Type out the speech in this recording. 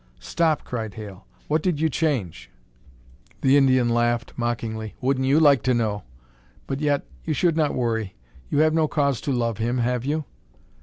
"Stop!" cried Hale. "What did you change?" The Indian laughed mockingly. "Wouldn't you like to know? But, yet, you should not worry. You have no cause to love him, have you?"